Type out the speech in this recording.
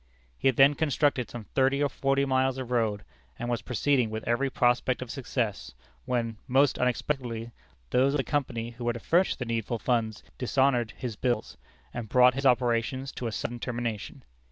He had constructed some thirty or forty miles of road, and was proceeding with every prospect of success, when, most unexpectedly, those of the company who were to furnish the needful funds dishonored his bills, and brought his operations to a sudden termination.